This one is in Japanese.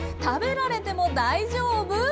食べられても大丈夫？